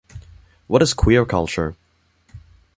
What is queer culture?